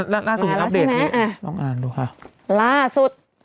ล่าสุดอัพเดทนี้ต้องอ่านดูค่ะมาแล้วใช่ไหมอ่าล่าสุด